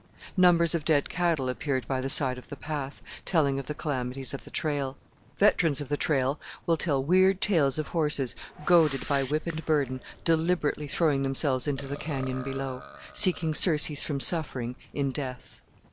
Numbers of dead cattle appeared by the side of the path, telling of the calamities of the trail. Veterans of the trail will tell weird tales of horses, goaded by whip and burden, deliberately throwing themselves into the canyon below seeking surcease from suffering in death.